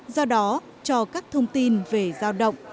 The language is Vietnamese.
do đó cho các thông tin về giao động